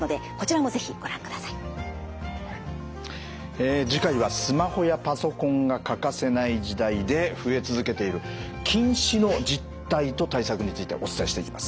え次回はスマホやパソコンが欠かせない時代で増え続けている近視の実態と対策についてお伝えしていきます。